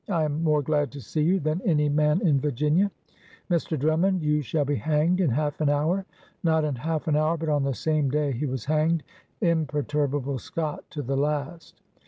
I am more glad to see you tlian any man in Virginia! Mr. Drummond you shall be hanged in half an hour!'' Not in half an hour, but on the same day he was hanged, imper* turbable Scot to the last.